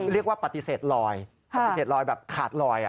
เรียกว่าปฏิเสธลอยปฏิเสธลอยแบบขาดลอย